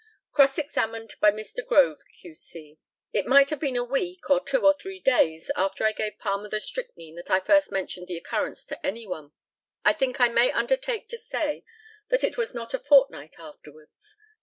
Cross examined by Mr. GROVE, Q.C.: It might have been a week or two or three days after I gave Palmer the strychnine that I first mentioned the occurrence to any one. I think I may undertake to say that it was not a fortnight afterwards.